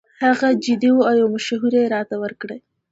هغه جدي وو او یو مشوره یې راته ورکړه.